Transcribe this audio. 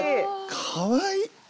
かわいい！